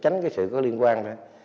để có những cái sự có liên quan